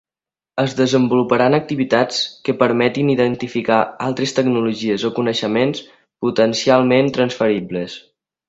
Es desenvoluparan activitats que permetin identificar altres tecnologies o coneixements potencialment transferibles.